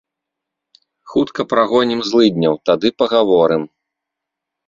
Хутка прагонім злыдняў, тады пагаворым.